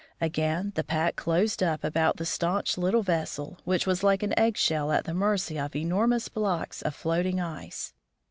Again, the pack closed up about the stanch little vessel, which was like an eggshell at the mercy of enormous blocks of floating ice.